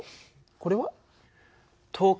これは？